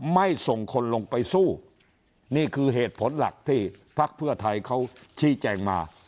ไม่ส่งคนลงไปสู้นี่คือเหตุผลหลักที่พักเพื่อไทยเขาชี้แจงมา